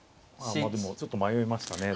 でもちょっと迷いましたね。